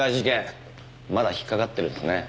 まだ引っかかってるんですね。